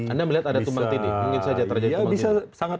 anda melihat ada tumpang tindi mungkin saja terjadi tumpang tindi